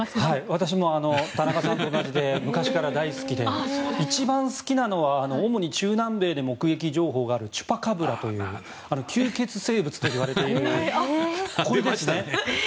私も田中さんと同じで昔から大好きで一番好きなのは主に中南米で目撃情報があるチュパカブラという吸血生物といわれているこれですね。